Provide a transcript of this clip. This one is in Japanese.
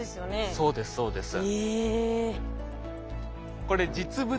そうですそうです。えっ。